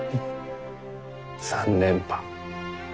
３連覇。